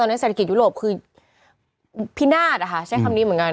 ในเศรษฐกิจยุโรปคือพินาศนะคะใช้คำนี้เหมือนกัน